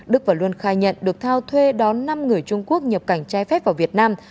đức và luân khai nhận được thao thuê đón năm người trung quốc nhập cảnh trái phép vào việt nam